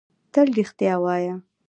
تل رښتیا وایۀ!